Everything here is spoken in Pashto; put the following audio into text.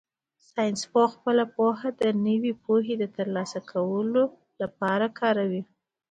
ساینسپوه خپله پوهه د نوې پوهې د ترلاسه کولو لپاره کاروي.